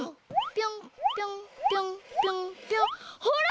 ぴょんぴょんぴょんぴょんぴょんほら！